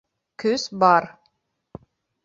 Көс бар.